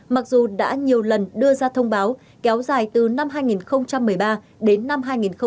mặc dù đã nhiều lần đưa ra thông báo kéo dài từ năm hai nghìn một mươi ba đến năm hai nghìn một mươi tám